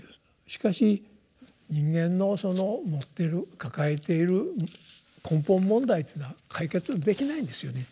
しかし人間の持ってる抱えている根本問題というのは解決できないんですよね。